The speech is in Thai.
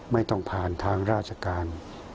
ไม่ต้องผ่านทางราชการ